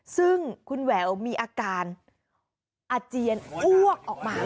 ซึ่งคุณแหววมีอาการอาเจียนอ้วกออกมา